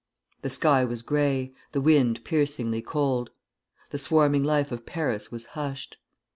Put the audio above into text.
The sky was gray, the wind piercingly cold. The swarming life of Paris was hushed.